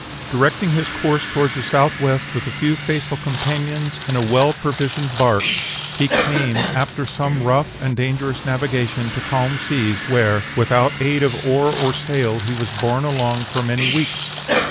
Directing his course toward the southwest, with a few faithful companions, in a well provisioned bark, he came, after some rough and dangerous navigation, to calm seas, where, without aid of oar or sail, he was borne along for many weeks."